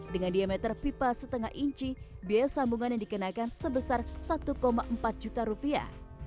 dengan diameter pipa setengah inci biaya sambungan yang dikenakan sebesar satu empat juta rupiah